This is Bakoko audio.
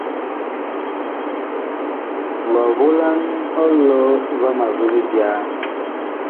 Wa volan ɔlɔ vama vi libyaa.